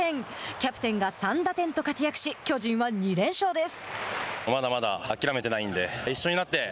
キャプテンが３打点と活躍し巨人は２連勝です。